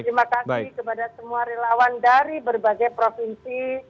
terima kasih kepada semua relawan dari berbagai provinsi